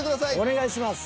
お願いします。